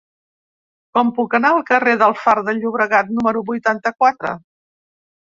Com puc anar al carrer del Far de Llobregat número vuitanta-quatre?